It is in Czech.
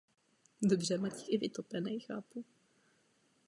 Ve většině případech má v těchto jazycích převahu slovník a gramatika z francouzštiny.